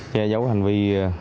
che giấu hành vi